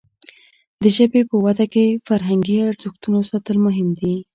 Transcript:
د ژبې په وده کې د فرهنګي ارزښتونو ساتل مهم دي.